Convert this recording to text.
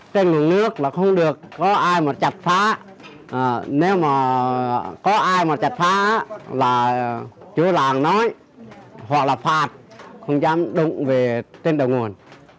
trên mực nước là không được có ai mà chặt phá nếu mà có ai mà chặt phá là chữa làng nói hoặc là phạt không dám đụng về trên đầu nguồn